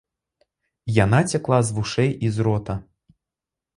Яна цякла з вушэй і з рота.